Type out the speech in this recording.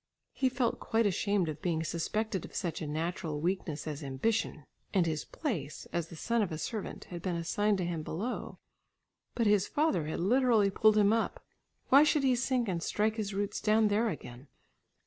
He felt quite ashamed of being suspected of such a natural weakness as ambition. And his place, as the son of a servant, had been assigned to him below. But his father had literally pulled him up, why should he sink and strike his roots down there again?